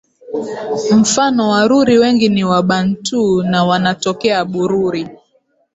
Mfano Waruri wengi ni Wabantu na wanatokea Bururi